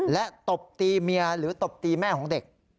และตบตีเมียหรือตบตีแม่ของเด็ก